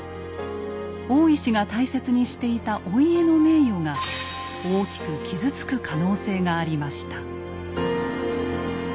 大石が大切にしていたお家の名誉が大きく傷つく可能性がありました。